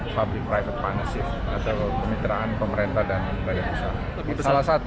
public private partnership atau kemitraan pemerintah dan badan usaha